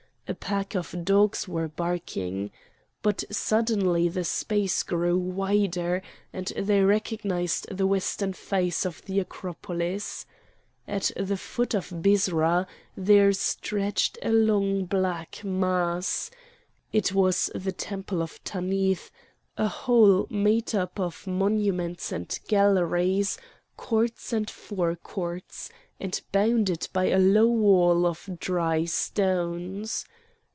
A pack of dogs were barking. But suddenly the space grew wider and they recognised the western face of the Acropolis. At the foot of Byrsa there stretched a long black mass: it was the temple of Tanith, a whole made up of monuments and galleries, courts and fore courts, and bounded by a low wall of dry stones.